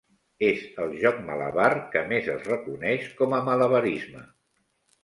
És el joc malabar que més es reconeix com a malabarisme.